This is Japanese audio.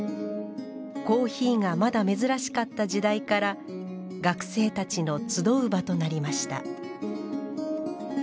コーヒーがまだ珍しかった時代から学生たちの集う場となりました